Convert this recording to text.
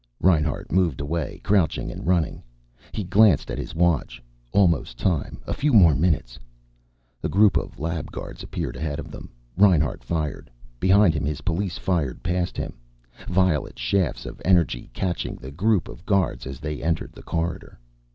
Reinhart moved away, crouching and running. He glanced at his watch. Almost time. A few more minutes. A group of lab guards appeared ahead of them. Reinhart fired. Behind him his police fired past him, violet shafts of energy catching the group of guards as they entered the corridor.